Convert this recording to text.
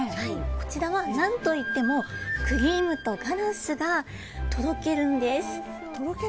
こちらは何といってもクリームとガナッシュがとろけるんです。